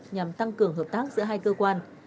nhằm tăng cường hợp tác giữa hai cơ quan